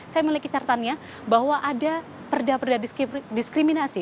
saya memiliki catatannya bahwa ada perdadiskriminasi